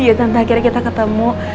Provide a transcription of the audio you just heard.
iya tante akhirnya kita ketemu